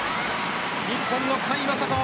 日本の甲斐優斗